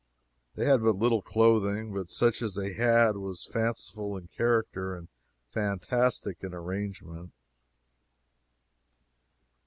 They had but little clothing, but such as they had was fanciful in character and fantastic in its arrangement.